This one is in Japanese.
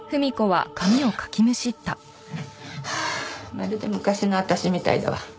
まるで昔の私みたいだわ。